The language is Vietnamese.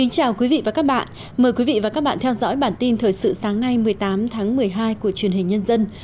chào mừng quý vị đến với bản tin thời sự sáng nay một mươi tám tháng một mươi hai của truyền hình nhân dân